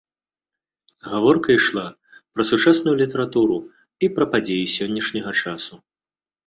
Гаворка ішла пра сучасную літаратуру і пра падзеі сённяшняга часу.